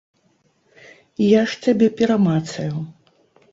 Я ж цябе перамацаю!